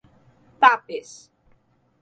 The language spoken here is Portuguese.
Tapes